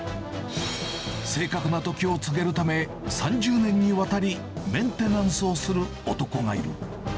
正確な時を告げるため、３０年にわたり、メンテナンスをする男がいる。